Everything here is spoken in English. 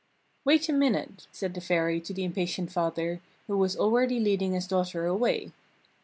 "Wait a minute," said the Fairy to the impatient father, who was already leading his daughter away.